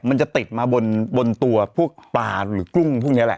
มันจะติดมาบนตัวพวกปลาหรือกุ้งพวกนี้แหละ